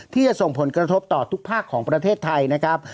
ที่จะส่งผลกระทบต่อทุกภาคของประเทศไทยนะครับ